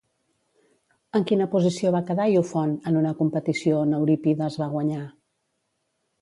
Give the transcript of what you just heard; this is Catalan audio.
En quina posició va quedar Iofont en una competició on Eurípides va guanyar?